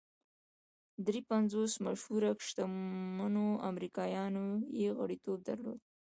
درې پنځوس مشهورو شتمنو امریکایانو یې غړیتوب درلود